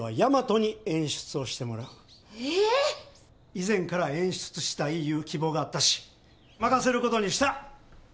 以前から演出したいいう希望があったし任せることにした！